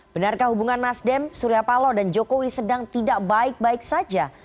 benarkah hubungan nasdem surya palo dan jokowi sedang tidak baik baik saja